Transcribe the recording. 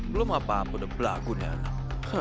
belum apa apa udah pelagun ya anak